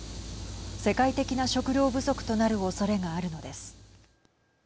世界的な食糧不足となるおそれがあるのです。